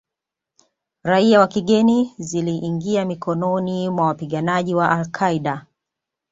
raia wa kigeni ziliingia mikononi mwa wapiganaji wa Al Qaeda